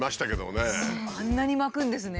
あんなに巻くんですね。